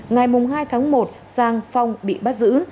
ngày hai tháng một sang phong bị bắt giữ